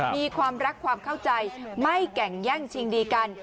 มีความรักความเข้าใจไม่แก่งแย่งชิงดีกัน